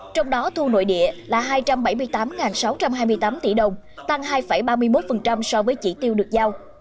trong đó thu nội địa là hai trăm bảy mươi tám sáu trăm hai mươi tám tỷ đồng tăng hai ba mươi một so với chỉ tiêu được giao